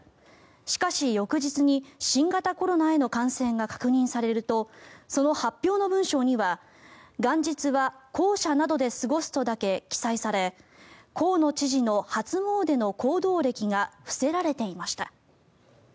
しかし、翌日に新型コロナへの感染が確認されるとその発表の文書には、元日は公舎などで過ごすとだけ記載され河野知事の初詣の行動歴が伏せられていました。